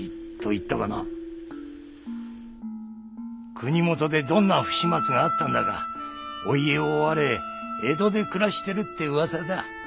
国もとでどんな不始末があったんだかお家を追われ江戸で暮らしてるって噂だ。